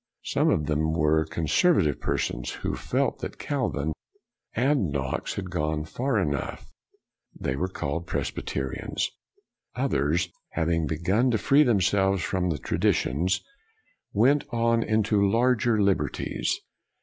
Some of them were conservative persons, who felt that Calvin and Knox had gone far enough; these were called Presbyterians. Others, having begun to free themselves from the traditions, went on into larger liberties.